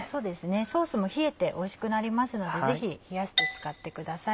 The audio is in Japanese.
ソースも冷えておいしくなりますのでぜひ冷やして使ってください。